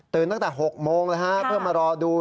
ตั้งแต่๖โมงแล้วฮะเพื่อมารอดู